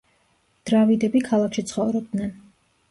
დრავიდები ქალაქში ცხოვრობდნენ.